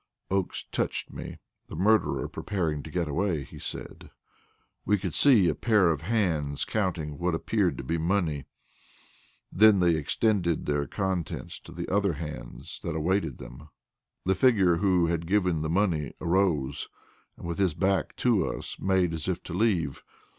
Oakes touched me. "The murderer preparing to get away," he said. We could see a pair of hands counting what appeared to be money; then they extended their contents to the other hands that awaited them. The figure who had given the money arose, and with his back to us made as if to leave.